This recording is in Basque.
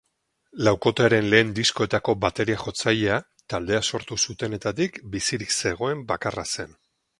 Laukotearen lehen diskoetako bateria-jotzailea taldea sortu zutenetatik bizirik zegoen bakarra zen.